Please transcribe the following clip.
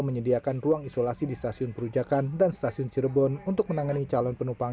menyediakan ruang isolasi di stasiun perujakan dan stasiun cirebon untuk menangani calon penumpang